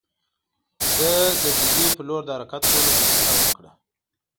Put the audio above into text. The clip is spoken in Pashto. ده د ډهلي پر لور د حرکت کولو فیصله وکړه.